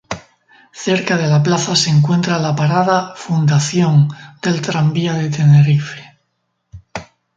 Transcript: Cerca de la plaza se encuentra la parada "Fundación" del Tranvía de Tenerife.